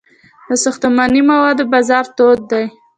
د ساختماني موادو بازار تود دی